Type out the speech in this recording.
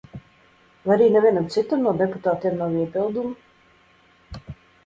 Vai arī nevienam citam no deputātiem nav iebildumu?